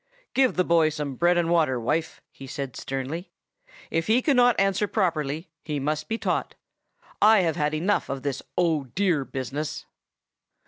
'Give the boy some bread and water, wife,' he said sternly. 'If he cannot answer properly, he must be taught. I have had enough of this "Oh, dear!" business.